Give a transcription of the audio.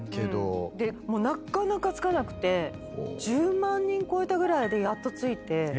でなかなか付かなくて１０万人超えたぐらいでやっと付いて。